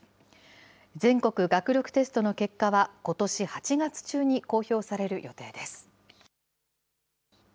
全国学力テストの結果はことし８月中に公表される予定です。